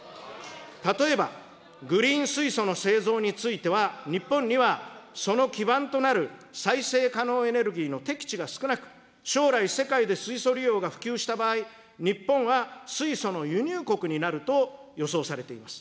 例えば、グリーン水素の製造については、日本にはその基盤となる再生可能エネルギーの適地が少なく、将来、世界で水素利用が普及した場合、日本は水素の輸入国になると予想されています。